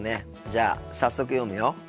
じゃあ早速読むよ。